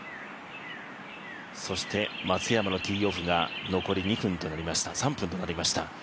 そして、松山のティーオフが残り３分となりました。